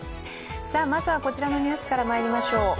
まずはこちらのニュースからまいりましょう。